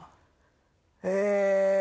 え